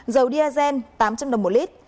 giá dầu diagen là tám trăm linh đồng mỗi lít